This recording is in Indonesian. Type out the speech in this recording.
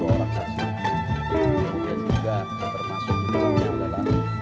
dalam penyidikan tersebut